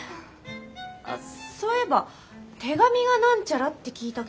あっそういえば手紙がなんちゃらって聞いたけど。